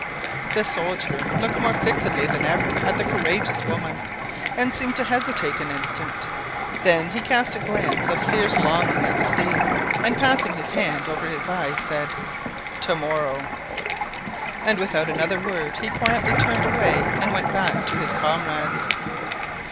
The soldier looked more fixedly than ever at the courageous woman, and seemed to hesitate an instant; then he cast a glance of fierce longing at the sea, and passing his hand over his eyes, said— "To morrow!" And without another word he quietly turned away and went back to his comrades.